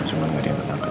cuma gak diangkat angkat